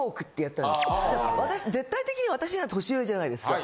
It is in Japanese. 私絶対的に私が年上じゃないですか。